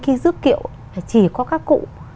khi rước kiệu chỉ có các cụ